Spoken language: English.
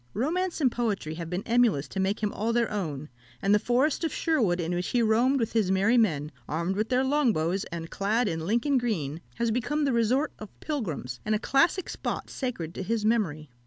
Romance and poetry have been emulous to make him all their own; and the forest of Sherwood, in which he roamed with his merry men, armed with their long bows, and clad in Lincoln green, has become the resort of pilgrims, and a classic spot sacred to his memory.